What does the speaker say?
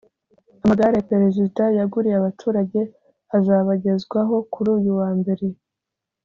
amagare perezida yaguriye amaturage azabagezwaho kuri uyu wambere